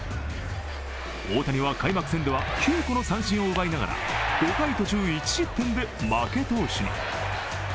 大谷は開幕戦では９個の三振を奪いながら５回途中１失点で負け投手に。